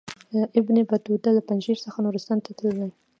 ابن بطوطه له پنجشیر څخه نورستان ته تللی.